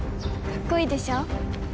かっこいいでしょ？